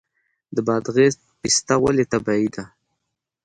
د بادغیس پسته ولې طبیعي ده؟